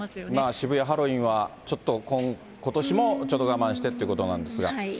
渋谷ハロウィーンは、ちょっとことしもちょっと我慢してということなんですが。